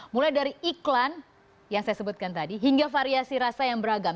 mulai dari iklan yang saya sebutkan tadi hingga variasi rasa yang beragam